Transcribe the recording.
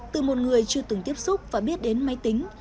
từ một người chưa từng tiếp xúc và biết đến máy tính